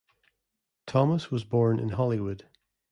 Thomas was born in Hollywood.